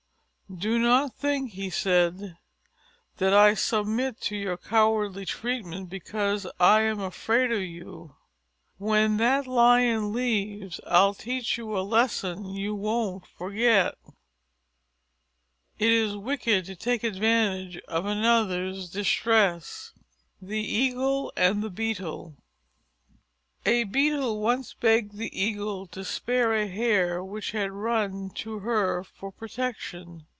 "Do not think," he said, "that I submit to your cowardly treatment because I am afraid of you. When that Lion leaves, I'll teach you a lesson you won't forget." It is wicked to take advantage of another's distress. THE EAGLE AND THE BEETLE A Beetle once begged the Eagle to spare a Hare which had run to her for protection.